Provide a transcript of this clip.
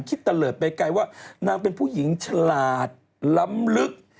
ตะเลิศไปไกลว่านางเป็นผู้หญิงฉลาดล้ำลึก